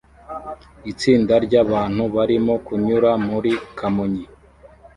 Itsinda ryabantu barimo kunyura muri kanyoni